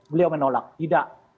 beliau menolak tidak